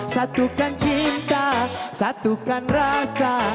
satukan cinta satukan rasa